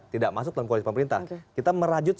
tidak masuk dalam koalisi pemerintah kita merajut